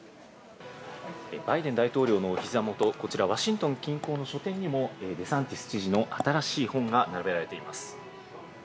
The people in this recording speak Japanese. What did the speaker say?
バイデン大統領のお膝元、こちらワシントン近郊の書店にもデサンティス知事の新しい本が並べられています。